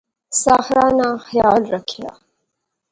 ساحرہ ناں خیال رکھیا